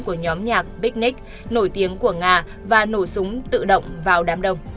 của nhóm nhạc big nick nổi tiếng của nga và nổ súng tự động vào đám đông